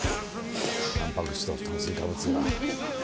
タンパク質と炭水化物が。